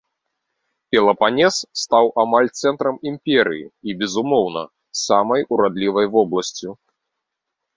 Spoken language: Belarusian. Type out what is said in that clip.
Пелапанес стаў амаль цэнтрам імперыі і, безумоўна, самай урадлівай вобласцю.